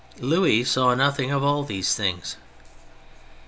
Louis saw nothing of all these things.